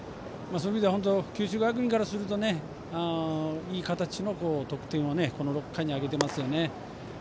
そういう意味では本当、九州学院からするといい形の得点をこの６回に挙げてますよね。